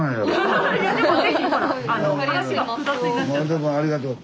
でもありがとう。